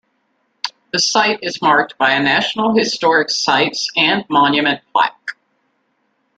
The site is marked by a National Historic Sites and Monument plaque.